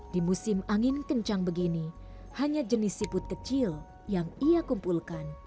di musim angin kencang begini hanya jenis siput kecil yang ia kumpulkan